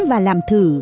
và làm thử